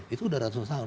itu sudah ratusan tahun